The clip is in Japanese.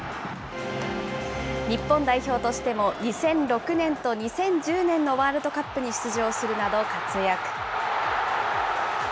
日本代表としても２００６年と２０１０年のワールドカップに出場するなど活躍。